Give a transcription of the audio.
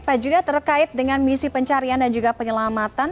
pak judah terkait dengan misi pencarian dan juga penyelamatan